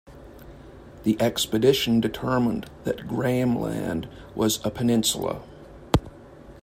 The expedition determined that Graham Land was a peninsula.